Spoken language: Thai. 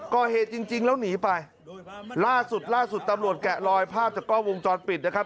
ก่อเหตุจริงจริงแล้วหนีไปล่าสุดล่าสุดตำรวจแกะลอยภาพจากกล้องวงจรปิดนะครับ